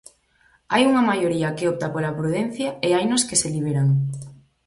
Hai unha maioría que opta pola prudencia e hainos que se liberan.